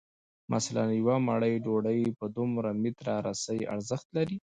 مثلاً یوه مړۍ ډوډۍ په دوه متره رسۍ ارزښت لري